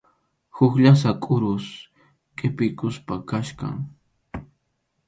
Huk llasa kurus qʼipiykusqa kachkan.